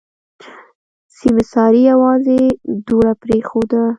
سيمسارې يوازې دوړه پرېښوده.